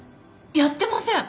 やってません！